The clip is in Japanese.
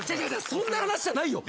そんな話じゃないよ。